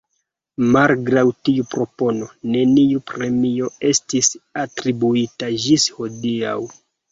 Malgraŭ tiu propono, neniu premio estis atribuita ĝis hodiaŭ.